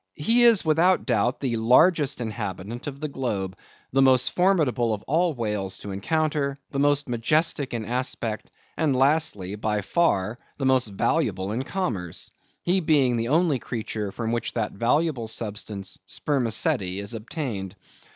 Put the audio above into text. He is, without doubt, the largest inhabitant of the globe; the most formidable of all whales to encounter; the most majestic in aspect; and lastly, by far the most valuable in commerce; he being the only creature from which that valuable substance, spermaceti, is obtained.